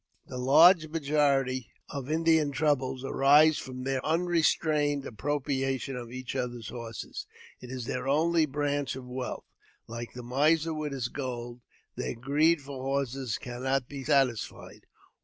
The large majority of Indian troubles ' arise from their unrestrained appropriation of each other's horses. It is their only branch of wealth ; like the miser with his gold, their greed for horses cannot be satisfied.